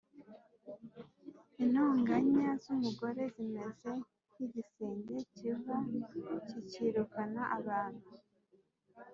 Intonganya z’umugore zimeze nk’igisenge kiva kikirukana abantu